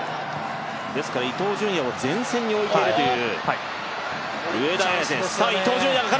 ですから伊東純也を前線に置いているという。